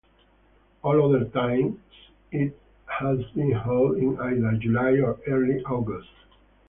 All other times it has been held in either July or early August.